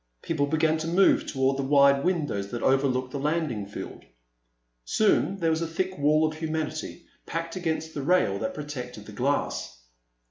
People began to move toward the wide windows that overlooked the landing field. Soon there was a thick wall of humanity packed against the rail that protected the glass.